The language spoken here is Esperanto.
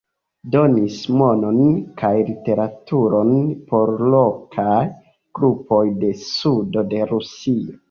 Donis monon kaj literaturon por lokaj grupoj de sudo de Rusio.